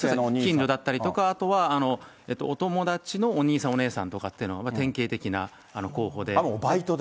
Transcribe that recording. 近所だったりとか、あとはお友達のお兄さんお姉さんとかっていうのが、バイトで？